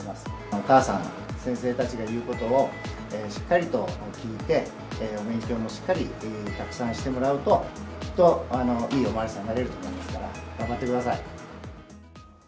お母さんや先生たちが言うことをしっかりと聞いて、お勉強もしっかりたくさんしてもらうと、きっといいお巡りさんになれると思いますから、頑張ってください。